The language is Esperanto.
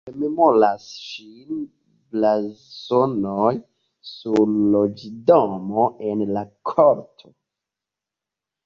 Rememoras ŝin blazonoj sur loĝdomo en la korto.